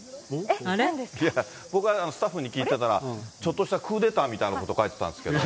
僕がスタッフに聞いてたのは、ちょっとしたクーデターみたいなこと書いてたんですけど。